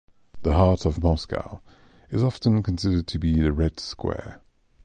The heart of Moscow is often considered to be Red Square.